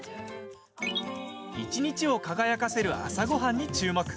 一日を輝かせる朝ごはんに注目。